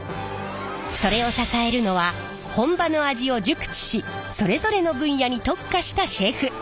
それを支えるのは本場の味を熟知しそれぞれの分野に特化したシェフ。